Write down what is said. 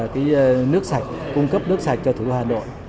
đức sẽ cung cấp nước sạch cho thủ đô hà nội